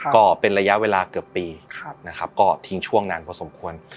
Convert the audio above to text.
ก็เป็นระยะเวลาเกือบปีนะครับก็ทิ้งช่วงนานพอสมควร